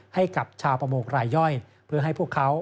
ให้กับชาวประมงรายย่อยเพื่อให้พวกเขา